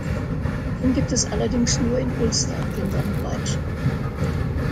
Den gibt es allerdings nur in Ulster, den Donn Cuailnge.